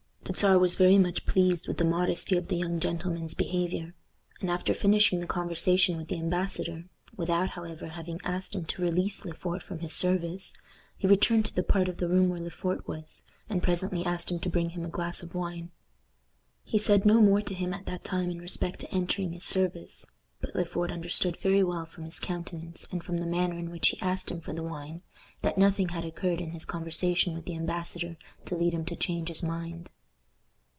The Czar was very much pleased with the modesty of the young gentleman's behavior; and, after finishing the conversation with the embassador, without, however, having asked him to release Le Fort from his service, he returned to the part of the room where Le Fort was, and presently asked him to bring him a glass of wine. He said no more to him at that time in respect to entering his service, but Le Fort understood very well from his countenance, and from the manner in which he asked him for the wine, that nothing had occurred in his conversation with the embassador to lead him to change his mind.